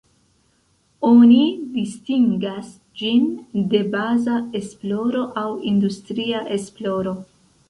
Oni distingas ĝin de baza esploro aŭ industria esploro.